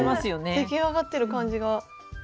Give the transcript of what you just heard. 出来上がってる感じが。